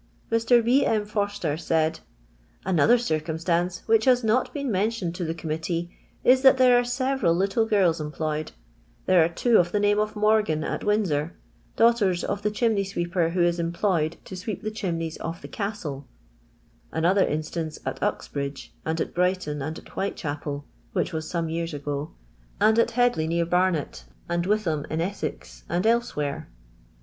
Mr. B. M. Foster said, " Another circumstance, which has not been mentioned to the Conmiittee, is, that there are several little girls employed ; there are two of the name of Morgan at Windsor, daughters of the chimney sweeper ir/io t> em 2>loi/€d to swop thi rhiwm't/s of tfit Cuittle ; ano ther instmce afUxbridge, and at Brighton, and at Whitechapel (which was some years ago), and at Headley near l^aruct, and Witham in Essex, and elsewhere.